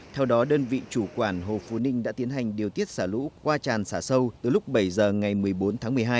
theo đó đơn vị chủ quản hồ phú ninh đã tiến hành điều tiết xả lũ qua tràn xả sâu từ lúc bảy giờ ngày một mươi bốn tháng một mươi hai